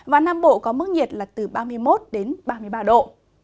và nam bộ có mức nhiệt là từ ba mươi một đến ba mươi ba độ